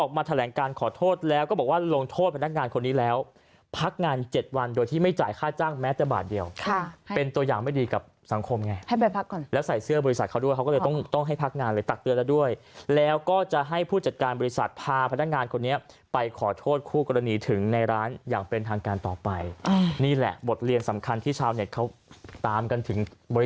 คำว่าจอดแป๊บเดียวถ้าทุกคนใช้คำนี้มันก็ไม่จบ